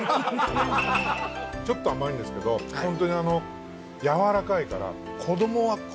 ちょっと甘いんですけどホントにやわらかいから。